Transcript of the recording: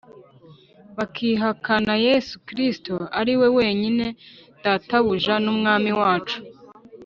bakihakana yesu kristo ari we wenyine databuja n’umwami wacu